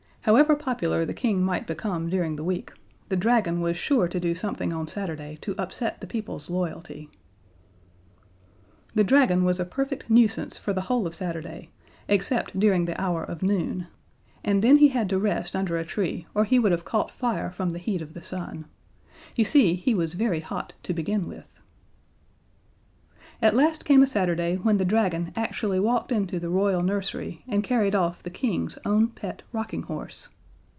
However popular the King might become during the week, the Dragon was sure to do something on Saturday to upset the people's loyalty. [Illustration "The Manticora took refuge in the General Post Office." See page 13.] The Dragon was a perfect nuisance for the whole of Saturday, except during the hour of noon, and then he had to rest under a tree or he would have caught fire from the heat of the sun. You see, he was very hot to begin with. At last came a Saturday when the Dragon actually walked into the Royal nursery and carried off the King's own pet Rocking Horse.